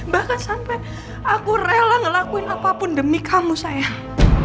bahkan sampai aku rela ngelakuin apapun demi kamu sayang